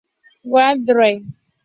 Wang "et al.